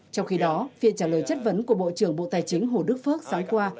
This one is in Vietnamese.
trong khi đó phiên trả lời chất vấn của bộ trưởng bộ tài chính hồ đức phước sáng qua